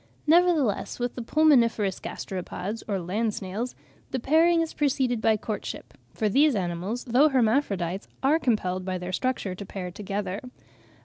Nevertheless with the pulmoniferous gasteropods, or land snails, the pairing is preceded by courtship; for these animals, though hermaphrodites, are compelled by their structure to pair together.